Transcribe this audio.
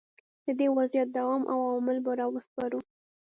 د دې وضعیت دوام او عوامل به را وسپړو.